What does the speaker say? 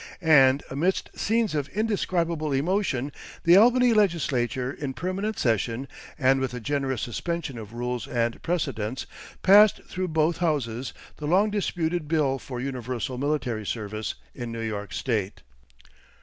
And amidst scenes of indescribable emotion the Albany legislature in permanent session, and with a generous suspension of rules and precedents, passed through both Houses the long disputed Bill for universal military service in New York State.